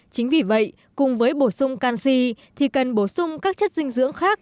chính vì vậy cùng với bổ sung canxi thì cần bổ sung các chất dinh dưỡng khác